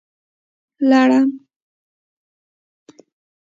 🦂 لړم